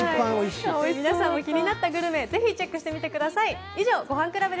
皆さんも気になったグルメぜひチェックしてみてください。